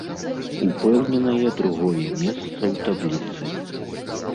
Упэўненае другое месца ў табліцы.